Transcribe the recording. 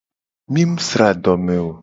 Mi mu sra adome o.